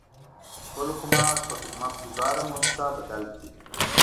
خپل حکومت په خدمت ګذاره مؤسسه بدل کړي.